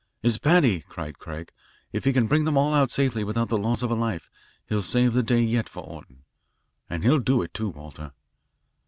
"It's Paddy," cried Craig. "If he can bring them all out safely without the loss of a life he'll save the day yet for Orton. And he'll do it, too, Walter."